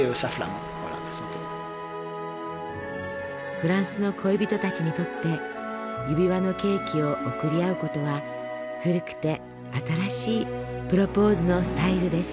フランスの恋人たちにとって指輪のケーキを贈り合う事は古くて新しいプロポーズのスタイルです。